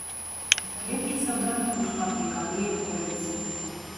Кветкі сабраны ў шматкветкавыя кольцы.